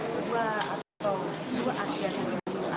dua atau dua adat yang diberi